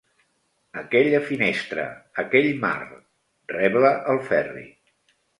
Aquella finestra, aquell mar... –rebla el Ferri.